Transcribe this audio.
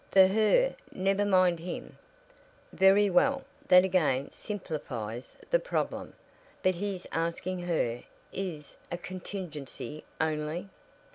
"For her. Never mind him." "Very well. That again simplifies the problem. But his asking her is a contingency only?"